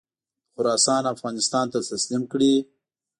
خراسان افغانستان ته تسلیم کړي.